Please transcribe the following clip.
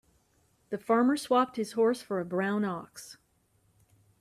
The farmer swapped his horse for a brown ox.